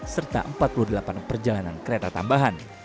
serta empat puluh delapan perjalanan kereta tambahan